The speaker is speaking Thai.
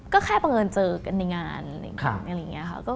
ก็แค่บังเอิญเจอกันในงานอะไรอย่างนี้ค่ะ